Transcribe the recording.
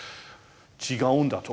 違うんだと。